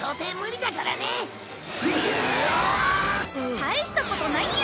大したことないよ！